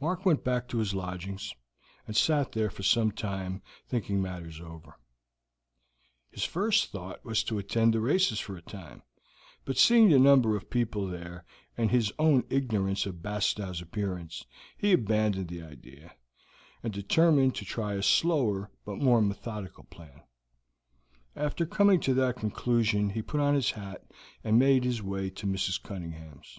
Mark went back to his lodgings, and sat there for some time, thinking matters over. His first thought was to attend the races for a time, but seeing the number of people there, and his own ignorance of Bastow's appearance, he abandoned the idea, and determined to try a slower but more methodical plan. After coming to that conclusion he put on his hat and made his way to Mrs. Cunningham's.